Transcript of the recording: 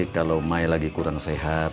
kalau maya lagi kurang sehat